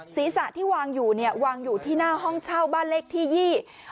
ศรีสะที่วางอยู่วางอยู่ที่หน้าห้องเช่าบ้านเล็กที่๒